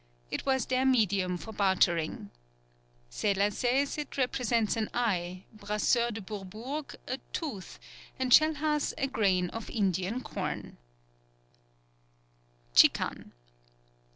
It was their medium for bartering. Seler says it represents an eye, Brasseur de Bourbourg a tooth, and Schellhas a grain of Indian corn. 2nd. _Chicchan.